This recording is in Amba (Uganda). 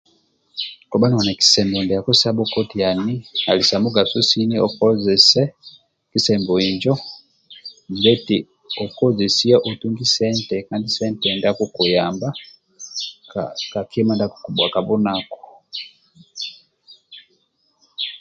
Kobha noli na kisembo ndiako sa bhokotiani, ali sa mugaso sini okozese kisembo injo bhia eti okozesiya otungi sente kandi sente ndia akukuyamba ka ka kima ndia akukubhuwa ka bhunaku.